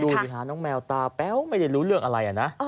ดูสิฮะน้องแมวตาแป๊วไม่ได้รู้เรื่องอะไรนะ